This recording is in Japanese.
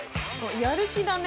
やる気だね。